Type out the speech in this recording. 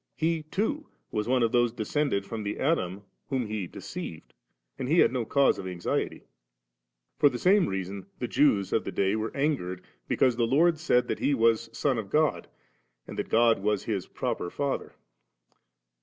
He too was one of those descended from that Adam whom he deceived, and he had no cause for anxiety. For the same reason die Jews of the day9 were angered, because the Lord said that He was Son of God, and that God was His proper Father.